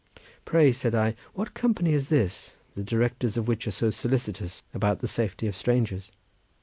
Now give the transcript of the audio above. "Pray," said I, "what company is this, the directors of which are so solicitous about the safety of strangers?"